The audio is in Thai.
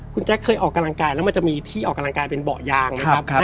คุณแจ๊คเคยออกกำลังกายแล้วมันจะมีที่ออกกำลังกายเป็นเบาะยางนะครับ